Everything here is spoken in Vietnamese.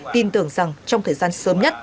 tin tưởng rằng trong thời gian sớm nhất